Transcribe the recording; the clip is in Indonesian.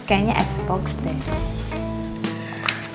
kayaknya x box deh